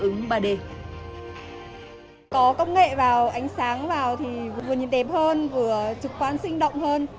có công nghệ vào ánh sáng vào thì vừa nhìn đẹp hơn vừa trực quan sinh động hơn